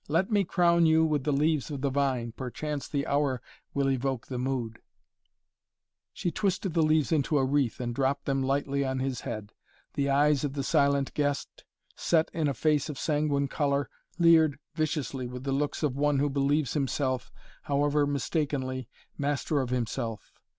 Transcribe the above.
Let me crown you with the leaves of the vine! Perchance the hour will evoke the mood!" She twisted the leaves into a wreath and dropped them lightly on his head. The eyes of the silent guest, set in a face of sanguine color, leered viciously, with the looks of one who believes himself, however mistakenly, master of himself.